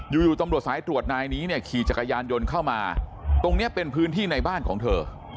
อยู่อยู่ตำรวจสายตรวจนายนี้เนี่ยขี่จักรยานยนต์เข้ามาตรงนี้เป็นพื้นที่ในบ้านของเธอ